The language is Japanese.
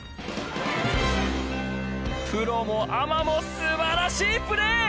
プロもアマもすばらしいプレー！